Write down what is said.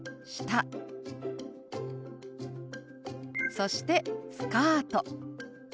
そして「スカート」。